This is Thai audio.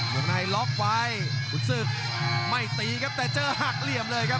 วงในล็อกไว้ขุนศึกไม่ตีครับแต่เจอหักเหลี่ยมเลยครับ